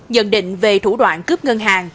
nhận định về thủ đoạn cướp ngân hàng